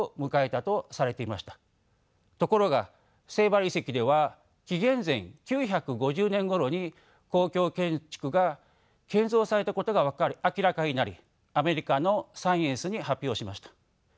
ところがセイバル遺跡では紀元前９５０年ごろに公共建築が建造されたことが明らかになりアメリカの「サイエンス」に発表しました。